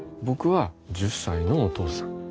僕は１０歳のお父さん。